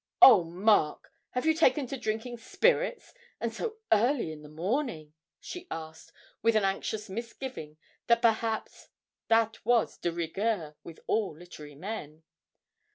oh, Mark, have you taken to drinking spirits, and so early in the morning?' she asked, with an anxious misgiving that perhaps that was de rigueur with all literary men.